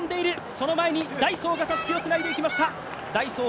その前にダイソーがたすきをつないでいきました。